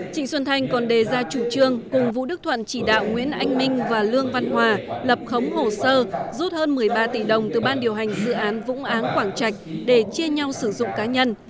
trịnh xuân thanh còn đề ra chủ trương cùng vũ đức thuận chỉ đạo nguyễn anh minh và lương văn hòa lập khống hồ sơ rút hơn một mươi ba tỷ đồng từ ban điều hành dự án vũng áng quảng trạch để chia nhau sử dụng cá nhân